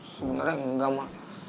sebenernya enggak ma